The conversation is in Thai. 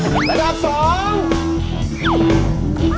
เฮ้ยเฮ้ยระดับสอง